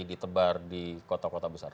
ditebar di kota kota besar